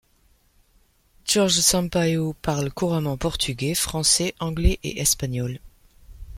Jorge Sampaio parle couramment portugais, français, anglais et espagnol.